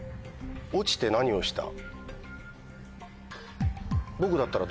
落ちて何をした？